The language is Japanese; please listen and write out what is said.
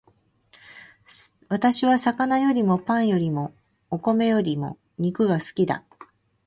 私は魚よりもパンよりもお米よりも肉が好きだ